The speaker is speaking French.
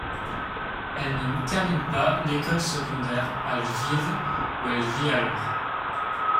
Elle ne termine pas l'école secondaire à Lviv, où elle vit alors.